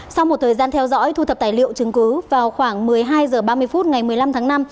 sau một thời gian theo dõi thu thập tài liệu chứng cứ vào khoảng một mươi hai h ba mươi phút ngày một mươi năm tháng năm